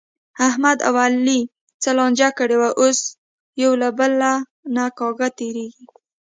احمد او علي څه لانجه کړې وه، اوس یو له بل نه کاږه تېرېږي.